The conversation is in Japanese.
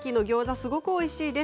すごくおいしいです。